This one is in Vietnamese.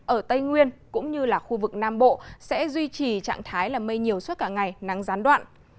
ở tây nguyên cũng như là khu vực nam bộ sẽ duy trì trạng thái là mây nhiều suốt cả ngày nắng gián đoạn